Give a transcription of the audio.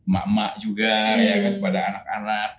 mak mak juga ya kepada anak anak